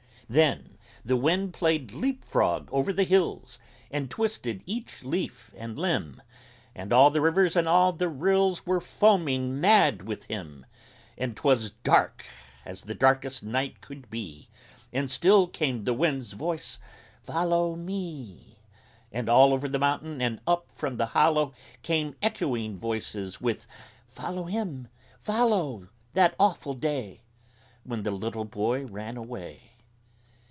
Then the Wind played leap frog over the hills And twisted each leaf and limb; And all the rivers and all the rills Were foaming mad with him! And 'twas dark as the darkest night could be, But still came the Wind's voice: "Follow me!" And over the mountain, and up from the hollow Came echoing voices, with: "Follow him follow!" That awful day When the little boy ran away!